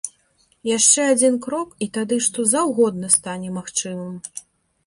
Яшчэ адзін крок, і тады што заўгодна стане магчымым.